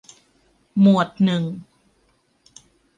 หมวดหนึ่ง